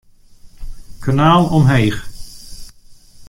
Kanaal omheech.